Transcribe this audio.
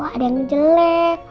ada yang jelek